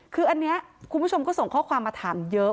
คืออันนี้คุณผู้ชมก็ส่งข้อความมาถามเยอะ